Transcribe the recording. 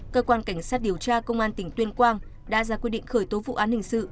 cơ quan cảnh sát điều tra công an tỉnh tuyên quang đã ra quyết định khởi tố vụ án hình sự